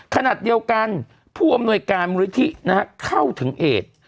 ขนาดเดียวกันผู้อำนวยการบริษฐินะครับเข้าถึงเอส